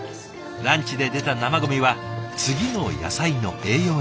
ランチで出た生ゴミは次の野菜の栄養に。